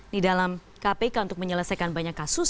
di dalam kpk untuk menyelesaikan banyak kasus